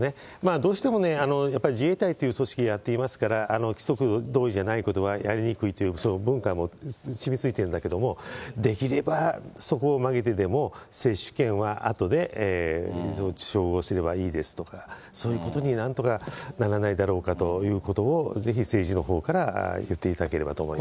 どうしてもね、やっぱり、自衛隊という組織でやっていますから、規則とおりじゃないことはやりにくいっていう文化もしみついているんだけれども、できればそこを曲げてでも、接種券はあとで照合すればいいですとか、そういうことになんとかならないだろうかということをぜひ、政治のほうから言っていただければと思います。